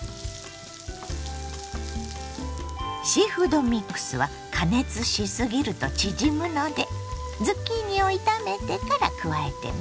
シーフードミックスは加熱しすぎると縮むのでズッキーニを炒めてから加えてね。